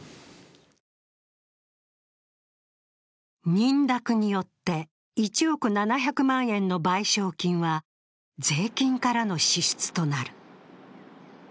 認諾によって１億７００万円の賠償金は税金からの支出となる。